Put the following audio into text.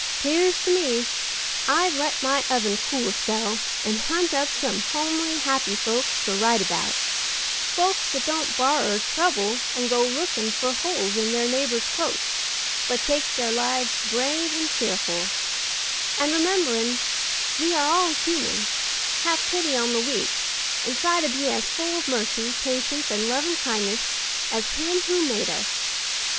'Pears to me I'd let my oven cool a spell, and hunt up some homely, happy folks to write about; folks that don't borrer trouble and go lookin' for holes in their neighbors' coats, but take their lives brave and cheerful; and rememberin' we are all human, have pity on the weak, and try to be as full of mercy, patience and lovin' kindness as Him who made us.